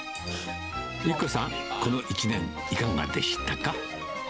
由希子さん、この１年、いかがでしたか？